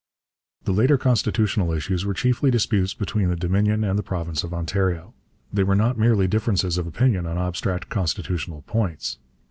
The later constitutional issues were chiefly disputes between the Dominion and the province of Ontario. They were not merely differences of opinion on abstract constitutional points.